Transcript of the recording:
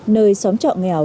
nơi xóm chợ nghèo